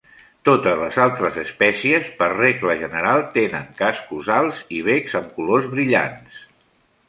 Totes les altres espècies, per regla general, tenen cascos alts i becs amb colors brillants.